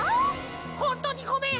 ほんとにごめん！